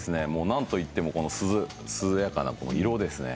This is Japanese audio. なんといってもこの涼やかな色ですね。